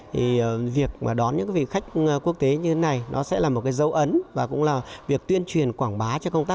thì việc đón những vị khách quốc tế như thế này sẽ là một dấu ấn và cũng là việc tuyên truyền quảng bá cho công tác